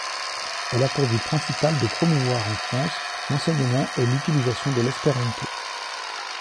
Elle a pour but principal de promouvoir en France l'enseignement et l'utilisation de l'espéranto.